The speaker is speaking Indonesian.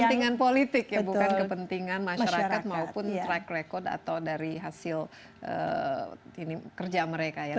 kepentingan politik ya bukan kepentingan masyarakat maupun track record atau dari hasil kerja mereka ya